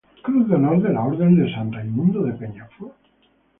Cruz de Honor de la Orden de San Raimundo de Peñafort.